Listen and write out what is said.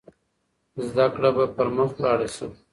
زده کړه به پرمخ ولاړه شي.